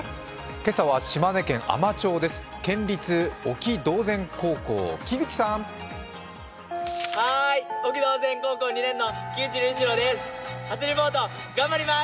今朝は島根県海士町です。